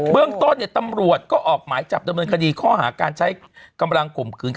เรื่องต้นตำรวจก็ออกหมายจับดำเนินคดีข้อหาการใช้กำลังข่มขืน